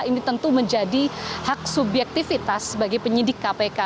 ini tentu menjadi hak subjektivitas bagi penyidik kpk